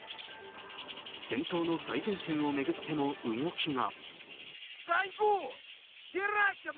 戦闘の最前線を巡っても動きが。